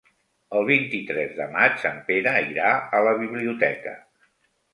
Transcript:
El vint-i-tres de maig en Pere irà a la biblioteca.